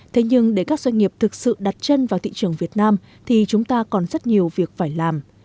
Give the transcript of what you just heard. thế nhưng để các doanh nghiệp thực sự đặt chân vào thị trường việt nam thì chúng ta còn rất nhiều việc phải làm